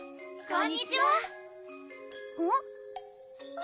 こんにちはうん？